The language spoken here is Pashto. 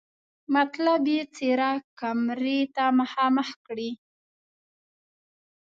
مطلب یې څېره کمرې ته مخامخ کړي.